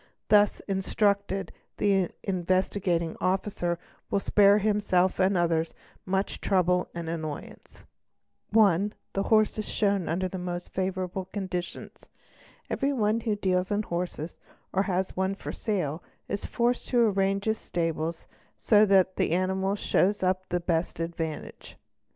Thus instructed the Investigating Pi en i a al gee CTT Officer will spare himself and others much trouble and annoyance. Si all 2 Sd a Oe (1) THE HORSE IS SHOWN UNDER THE MOST FAVOURABLE CONDITIONS. Every one who deals in horses or has one for sale is forced to arrange iis stable so that the anifnals show up to the best advantage.